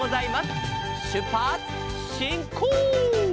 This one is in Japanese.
「しゅっぱつしんこう！」